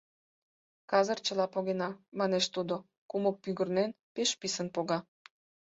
Казыр чыла погена, — манеш тудо, кумык пӱгырнен, пеш писын пога.